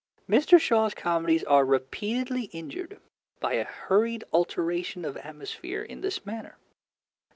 Mr. Shaw's comedies are repeatedly injured by a hurried alteration of atmosphere in this manner.